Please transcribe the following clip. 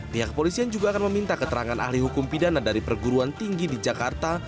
pihak polisian juga akan meminta keterangan ahli hukum pidana dari perguruan tinggi di jakarta